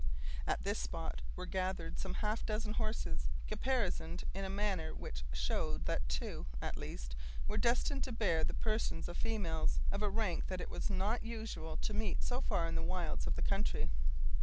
At this spot were gathered some half dozen horses, caparisoned in a manner which showed that two, at least, were destined to bear the persons of females, of a rank that it was not usual to meet so far in the wilds of the country.